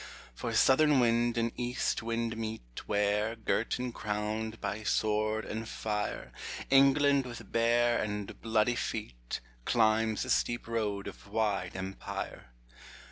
For southern wind and east wind meet Where, girt and crowned by sword and fire, England with bare and bloody feet Climbs the steep road of wide empire.